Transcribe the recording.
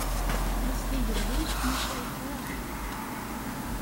Ɣas d igellil maca yefṛeḥ.